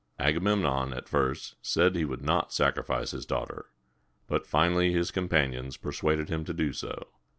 Agamemnon at first said that he would not sacrifice his daughter, but finally his companions persuaded him to do so.